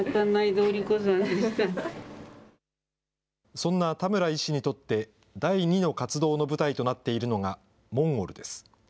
そんな田村医師にとって、第２の活動の舞台となっているのがモンゴルです。